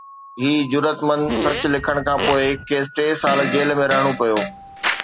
هي جرئتمند سچ لکڻ کان پوءِ کيس ٽي سال جيل ۾ رهڻو پيو